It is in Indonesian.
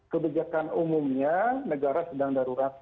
kebijakan umumnya negara sedang darurat